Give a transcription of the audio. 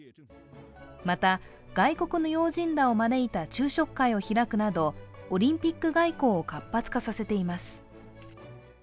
また、外国の要人らを招いた昼食会を開くなど、オリンピック外交を活発化させています。